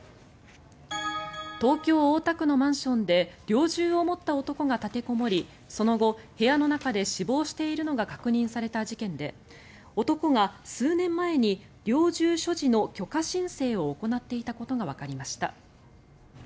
東京・大田区のマンションで猟銃を持った男が立てこもりその後、部屋の中で死亡しているのが確認された事件で男が、数年前に猟銃所持の許可申請を行っていたことがわかりました。